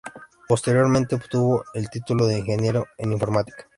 Posteriormente obtuvo el título de Ingeniero en Informática.